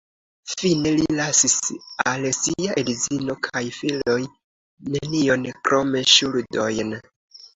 Fine li lasis al sia edzino kaj filoj nenion krom ŝuldojn.